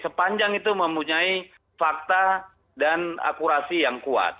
tapi yang itu mempunyai fakta dan akurasi yang kuat